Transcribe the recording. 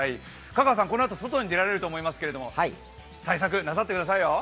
香川さん、このあと外に出られると思いますけど対策なさってください。